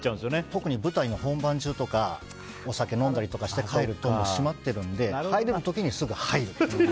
特に舞台の本番中とかお酒を飲んだりして帰ると閉まってるので入れる時にすぐ入る。